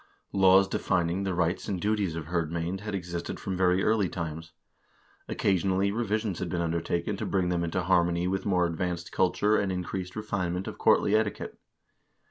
Laws defining the rights and duties of hirdmcend had existed from very early times. Occasionally revisions had been undertaken to bring them into harmony with more advanced culture and increased refine ment of courtly etiquette.